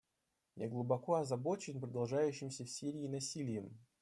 Я глубоко озабочен продолжающимся в Сирии насилием.